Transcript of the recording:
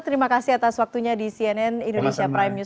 terima kasih atas waktunya di cnn indonesia prime news